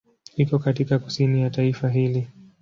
Iko katika kusini ya taifa hili.